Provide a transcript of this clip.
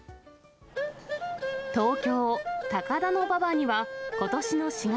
東京・高田馬場には、ことしの４月、